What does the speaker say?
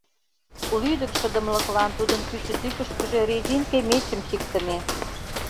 Лӱдыкшыдымылыклан тудын пӱсӧ тӱкышкыжӧ резинке мечым чиктыме.